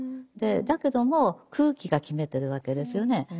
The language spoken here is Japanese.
だけども空気が決めてるわけですよね。